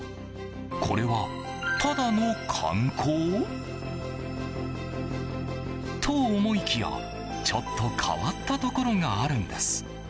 これはただの観光？と思いきやちょっと変わったところがあるんです。